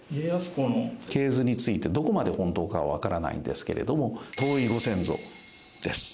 系図についてどこまで本当かはわからないんですけれども遠いご先祖です。